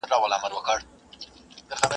سواد د هر انسان لپاره اړین دی.